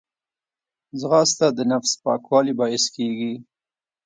ځغاسته د نفس پاکوالي باعث کېږي